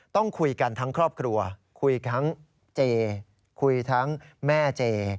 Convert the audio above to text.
ต้องคุยกันทั้งครอบครัวคุยทั้งเจคุยทั้งแม่เจ